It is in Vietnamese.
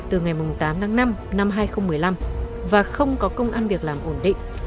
từ ngày tám tháng năm năm hai nghìn một mươi năm và không có công an việc làm ổn định